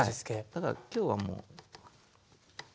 だから今日はもう。